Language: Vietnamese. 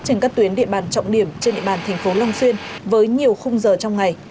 trên các tuyến địa bàn trọng điểm trên địa bàn thành phố long xuyên với nhiều khung giờ trong ngày